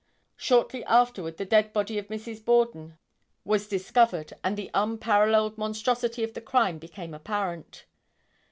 Shortly afterward the dead body of Mrs. Borden was discovered and the unparalleled monstrosity of the crime became apparent.